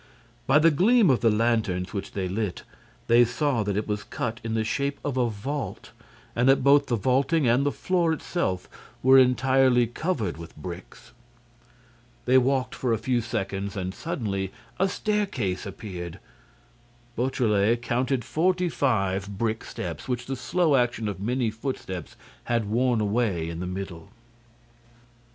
By the gleam of the lanterns which they lit, they saw that it was cut in the shape of a vault and that both the vaulting and the floor itself were entirely covered with bricks. They walked for a few seconds and, suddenly, a staircase appeared. Beautrelet counted forty five brick steps, which the slow action of many footsteps had worn away in the middle.